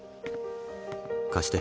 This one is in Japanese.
貸して。